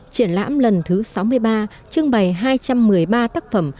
triển lãm lần thứ sáu mươi ba trưng bày hai trăm một mươi ba tác phẩm